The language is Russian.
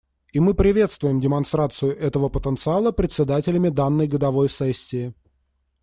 И мы приветствуем демонстрацию этого потенциала председателями данной годовой сессии.